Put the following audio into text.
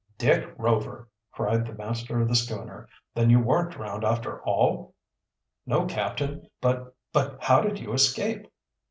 "Dick Rover!" cried the master of the schooner. "Then you weren't drowned, after all?" "No, captain. But but how did you escape?"